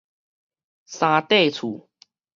三塊厝